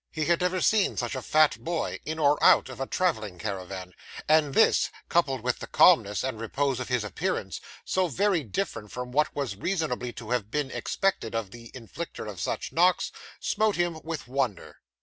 He had never seen such a fat boy, in or out of a travelling caravan; and this, coupled with the calmness and repose of his appearance, so very different from what was reasonably to have been expected of the inflicter of such knocks, smote him with wonder.